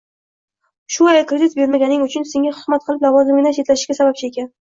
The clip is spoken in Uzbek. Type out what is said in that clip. Shu ayol kredit bermaganing uchun senga tuhmat qilib, lavozimingdan chetlatishlariga sababchi ekan